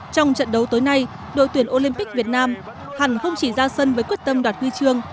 trong trận đấu tối nay đội tuyển olympic việt nam hẳn không chỉ ra sân với quyết tâm đoạt huy chương